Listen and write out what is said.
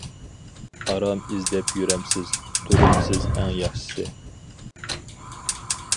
ئارام ئىزدەپ يۈرەمسىز، تۇرۇپ سىز ئەڭ ياخشىسى؟ !